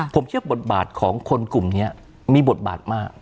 ผมเชื่อบทบาทของคนกลุ่มนี้มีบทบาทมาก